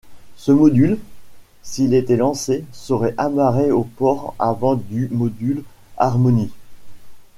Ce module, s'il était lancé, serait amarré au port avant du module Harmony.